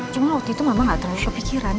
cuman waktu itu mama gak terlalu kepikiran